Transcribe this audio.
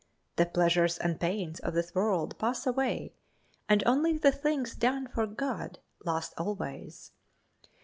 The pleasures and pains of this world pass away, and only the things done for God last always.